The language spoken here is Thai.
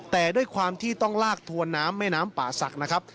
แต่ด้วยความที่ต้องลากทวนน้ำแม่น้ำป่าศักดิ์นะครับ